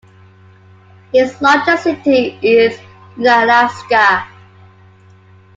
Its largest city is Unalaska.